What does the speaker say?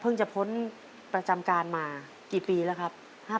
จะพ้นประจำการมากี่ปีแล้วครับ